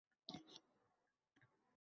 Quyildi